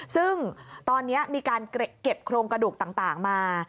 ซึ่งตอนนี้มีการเก็บโครงกระดูกต่างมา